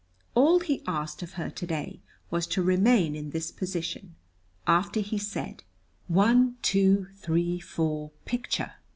All he asked of her to day was to remain in this position after he said "One, two, three, four, picture!"